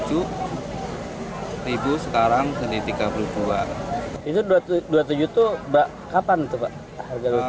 itu rp dua puluh tujuh itu kapan pak